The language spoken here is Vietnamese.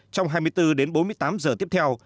trong hai mươi bốn h đến bốn mươi tám h tiếp theo